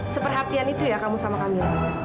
seperhatian itu ya kamu sama kami